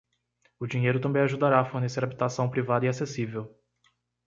O dinheiro também ajudará a fornecer habitação privada e acessível.